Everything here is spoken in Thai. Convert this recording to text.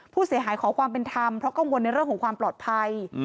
ขอความเป็นธรรมเพราะกังวลในเรื่องของความปลอดภัย